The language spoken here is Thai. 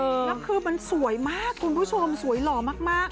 แล้วคือมันสวยมากคุณผู้ชมสวยหล่อมาก